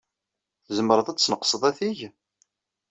Tzemred ad d-tesneqsed atig?